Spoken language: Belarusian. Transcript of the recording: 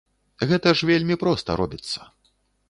Гэта ж вельмі проста робіцца.